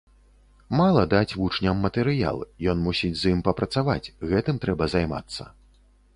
Мала даць вучням матэрыял, ён мусіць з ім папрацаваць, гэтым трэба займацца.